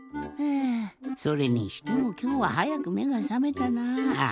あそれにしてもきょうははやくめがさめたなぁ。